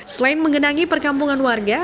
selain mengendangi perkampungan warga